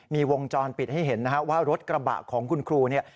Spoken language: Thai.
มีวงจรปิดให้เห็นนะฮะว่ารถกระบะของคุณครูเนี่ย